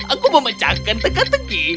aku mau mecahkan teka teki